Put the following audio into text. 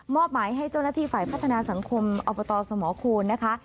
หมายให้เจ้าหน้าที่ฝ่ายพัฒนาสังคมอบตสมคูณนะคะ